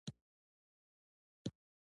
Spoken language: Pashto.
• دروغ د انسان حیثیت له منځه وړي.